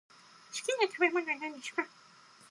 好きな食べ物は何ですか。